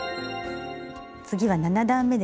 次は７段めですね。